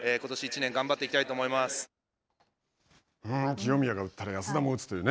清宮が打ったら安田も打つという。